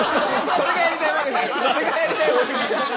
それがやりたいわけじゃない。